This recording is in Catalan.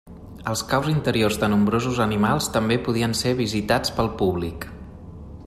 Els caus interiors de nombrosos animals també podien ser visitats pel públic.